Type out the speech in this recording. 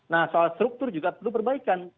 nah soal struktur juga perlu perbaikan